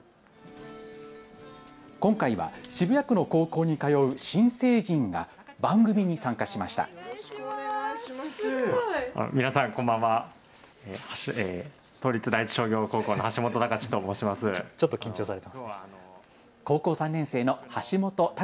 今回は渋谷区の高校に通う新成人が番組に参加しました。